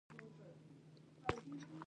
مور مې راته ويل چې زويه دا ميرزايي زده کړه.